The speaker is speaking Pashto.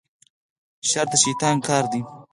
شر د شیطان کار دی